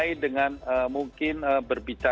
kita ingin menggunakan perusahaan yang berbeda